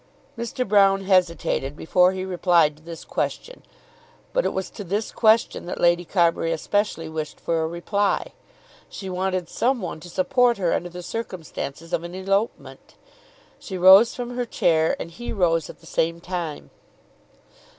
Mr. Broune hesitated before he replied to this question. But it was to this question that Lady Carbury especially wished for a reply. She wanted some one to support her under the circumstances of an elopement. She rose from her chair, and he rose at the same time.